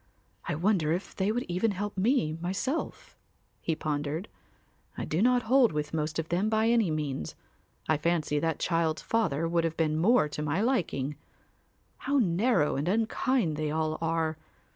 I wonder if they would even help me myself," he pondered. "I do not hold with most of them by any means. I fancy that child's father would have been more to my liking. How narrow and unkind they all are.